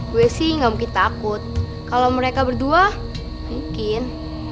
gue sih gamungkin takut kalo mereka berdua mungkin